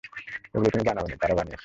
এগুলো তুমি বানাওনি - তারা বানিয়েছে।